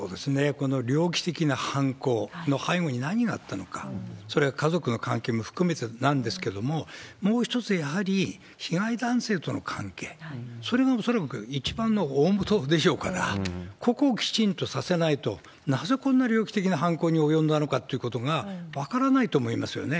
この猟奇的な犯行の背後に何があったのか、それは家族の関係も含めてなんですけれども、もう一つ、やはり被害男性との関係、それが恐らく一番の大元でしょうから、ここをきちんとさせないと、なぜこんな猟奇的な犯行に及んだのかってことが分からないと思いますよね。